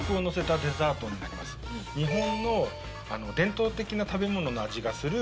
日本の伝統的な食べ物の味がする